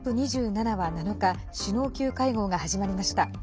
２７は７日首脳級会合が始まりました。